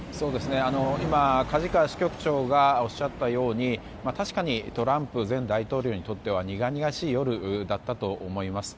今、梶川支局長がおっしゃったように確かにトランプ前大統領にとっては苦々しい夜だったと思います。